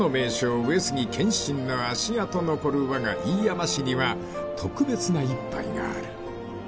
上杉謙信の足跡残るわが飯山市には特別な一杯がある］